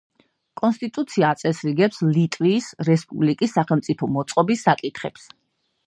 კონსტიტუცია აწესრიგებს ლიტვის რესპუბლიკის სახელმწიფო მოწყობის საკითხებს.